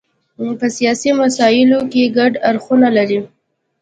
په سیاسي مسایلو کې ګډ اړخونه لري.